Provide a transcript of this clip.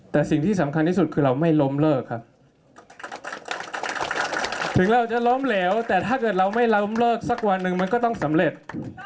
แต่สิ่งที่สำคัญที่สุดคือเราไม่ล้มเลิกครับถึงเราจะล้มเหลวแต่ถ้าเกิดเราไม่ล้มเลิกสักวันหนึ่งมันก็ต้องสำเร็จ